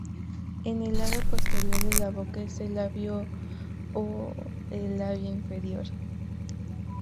En el lado posterior de la boca es el labio o el labio inferior.